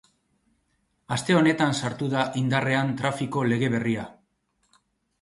Aste honetan sartu da indarrean trafiko lege berria.